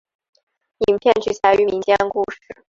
影片取材于民间故事。